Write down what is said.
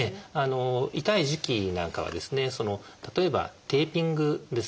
痛い時期なんかはですね例えばテーピングですね。